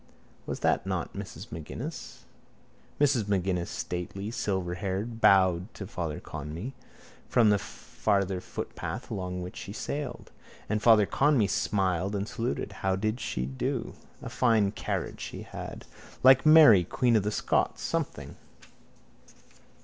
Was that not Mrs M'Guinness? Mrs M'Guinness, stately, silverhaired, bowed to Father Conmee from the farther footpath along which she sailed. And Father Conmee smiled and saluted. How did she do? A fine carriage she had. Like Mary, queen of Scots, something.